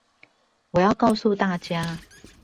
我要告訴大家